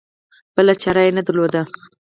بله چاره یې نه درلوده.